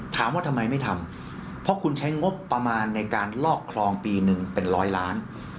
ถามว่าทำไมไม่ทำเพราะคุณใช้งบประมาณในการลอกคลองปีหนึ่งเป็นร้อยล้าน